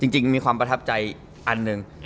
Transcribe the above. มีความประทับใจอันหนึ่ง